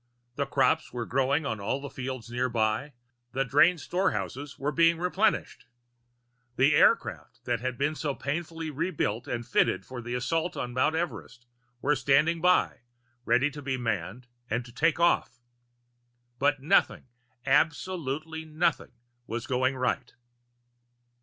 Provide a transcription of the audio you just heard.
The crops were growing on all the fields nearby; the drained storehouses were being replenished. The aircraft that had been so painfully rebuilt and fitted for the assault on Mount Everest were standing by, ready to be manned and to take off. And nothing, absolutely nothing, was going right.